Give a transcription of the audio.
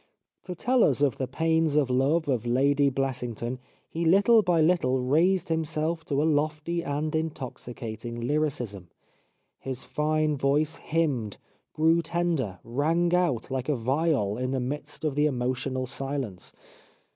" To tell us of the pains of love of Lady Blessington he little by little raised himself to a lofty and intoxicating lyricism ; his fine voice hymned, grew tender, rang out, like a viol, in the midst of the emotional silence.